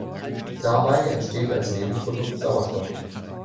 Dabei entsteht als Nebenprodukt Sauerstoff.